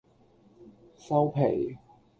收皮